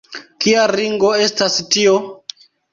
kia ringo estas tio?